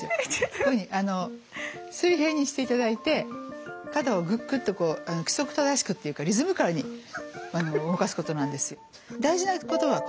こういうふうに水平にしていただいて肩を「ぐっぐっ」とこう規則正しくっていうかリズミカルに動かすことなんですよ。